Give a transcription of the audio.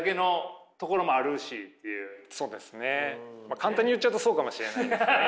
簡単に言っちゃうとそうかもしれないですね。